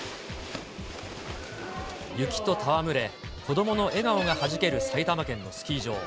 雪と戯れ、子どもの笑顔がはじける埼玉県のスキー場。